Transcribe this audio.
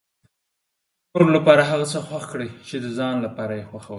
د نورو لپاره هغه څه خوښ کړئ چې د ځان لپاره یې خوښوي.